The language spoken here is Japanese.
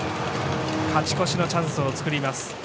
勝ち越しのチャンスを作ります。